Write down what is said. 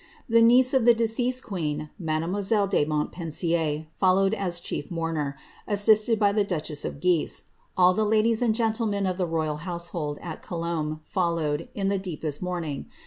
The niece of the deceased queen, mademoi lelle de Montpensier, followed as chief mourner, assisted by the duchess )f Guise. All the ladies and gentlemen of the royal household at ^lombe followed, in the deepest mourning.